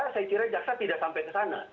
saya kira jaksa tidak sampai ke sana